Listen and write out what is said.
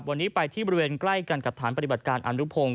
วันนี้ไปที่บริเวณใกล้กันกับฐานปฏิบัติการอนุพงศ